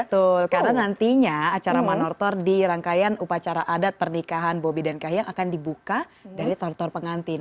betul karena nantinya acara manortor di rangkaian upacara adat pernikahan bobi dan kahiyang akan dibuka dari tortor pengantin